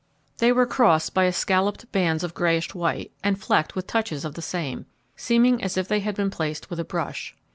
They were crossed by escalloped bands of greyish white, and flecked with touches of the same, seeming as if they had been placed with a brush.